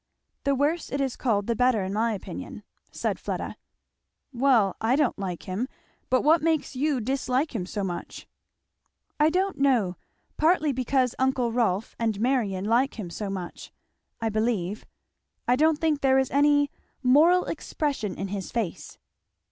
"The worse it is called the better, in my opinion," said Fleda. "Well, I don't like him; but what makes you dislike him so much?" "I don't know partly because uncle Rolf and Marion like him so much, I believe I don't think there is any moral expression in his face."